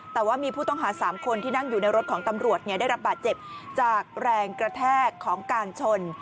แต่ว่ามีผู้ต้องหา๓คนที่นั่งอยู่ในรถของตำรวจได้รับบาดเจ็บจากแรงกระแทกของการชน